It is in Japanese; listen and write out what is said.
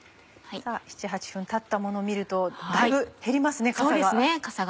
７８分たったものを見るとだいぶ減りますねかさが。